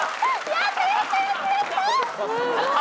やった！